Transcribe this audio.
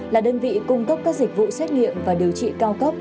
là đơn vị cung cấp các dịch vụ xét nghiệm và điều trị cao cấp